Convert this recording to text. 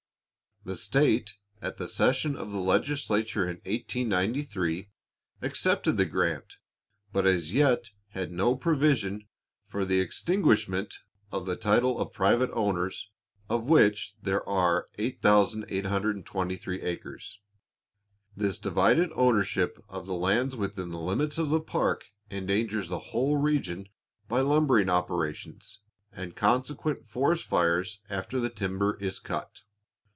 The state, at the session of the legislature in 1893, accepted the grant, but as yet has made no provision for the extinguishment of the title of private owners, of which there are 8,823 acres. This divided ownership of the lands within the limits of the park endangers the whole region by lumbering operations, and consequent forest fires after the timber is cut.